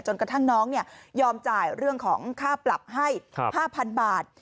กระทั่งน้องยอมจ่ายเรื่องของค่าปรับให้๕๐๐๐บาท